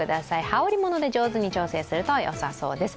羽織り物で上手に調整するとよさそうです。